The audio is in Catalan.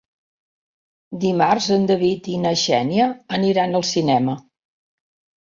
Dimarts en David i na Xènia aniran al cinema.